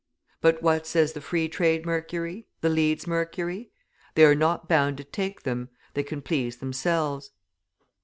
But, what says the Free Trade Mercury, the Leeds Mercury? They are not bound to take them; they can please themselves.